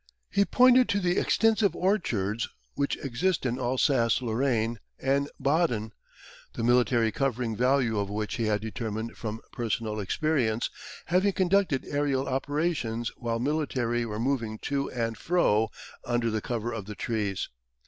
He pointed to the extensive orchards which exist in Alsace Lorraine and Baden, the military covering value of which he had determined from personal experience, having conducted aerial operations while military were moving to and fro under the cover of the trees.